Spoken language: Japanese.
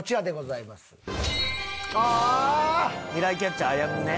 未来キャッチャー歩ね。